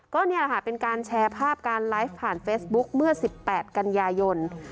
ก็นี่แหละค่ะเป็นการแชร์ภาพการไลฟ์ผ่านเฟซบุ๊คเมื่อ๑๘กันยายน